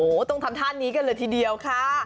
โอ้โหต้องทำท่านี้กันเลยทีเดียวค่ะ